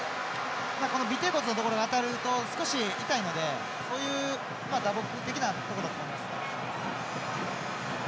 尾てい骨のところが当たると少し痛いのでそういう打撲的なところだと思います。